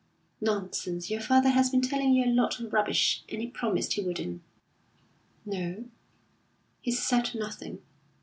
"Nonsense! Your father has been telling you a lot of rubbish, and he promised he wouldn't." "No, he's said nothing.